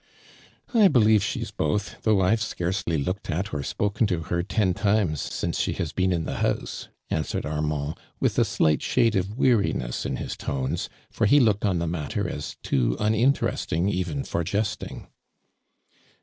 "'" 1 believe .she's both, though I've scarcely looked at or spoken to hor ten times, since she has been in tho house."' answered Armaml, with a slight sha<le of weariness in his tones, for he looked on the matter a* top uninteresting oven for jesting.